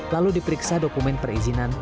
lalu diperiksa dokumen perizinan